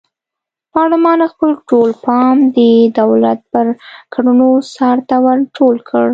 پارلمان خپل ټول پام د دولت پر کړنو څار ته ور ټول کړ.